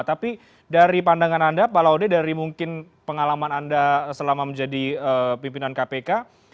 tapi dari pandangan anda pak laude dari mungkin pengalaman anda selama menjadi pimpinan kpk